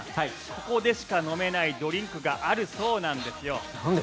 ここでしか飲めないドリンクがあるそうなんです。